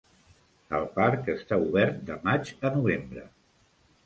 El parc està obert de maig a novembre.